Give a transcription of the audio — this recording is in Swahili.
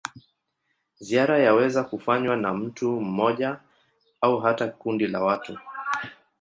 Ziara yaweza kufanywa na mtu mmoja au hata kundi la watu.